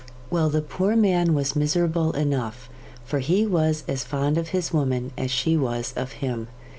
Well, the poor man was miserable enough, for he was as fond of his woman as she was of him.